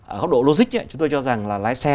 ở góc độ logic chúng tôi cho rằng là lái xe